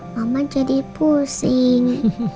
mama jadi pusing